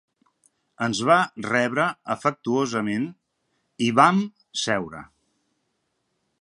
Ens va rebre afectuosament i vam seure.